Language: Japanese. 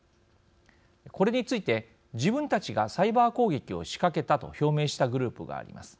これについて、自分たちがサイバー攻撃を仕掛けたと表明したグループがあります。